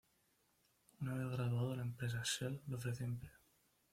Una vez graduado la empresa Shell le ofreció empleo.